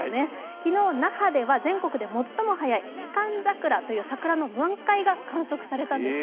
昨日、那覇では全国で最も早いヒカンザクラという桜の満開が観測されたんですね。